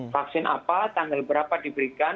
vaksin apa tanggal berapa diberikan